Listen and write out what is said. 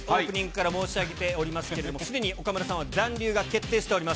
申し上げておりますけれども、すでに岡村さんは残留が決定しております。